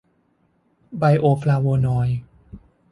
ไบโอฟลาโวนอยด์